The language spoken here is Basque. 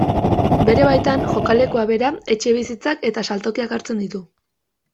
Bere baitan jokalekua bera, etxebizitzak eta saltokiak hartzen ditu.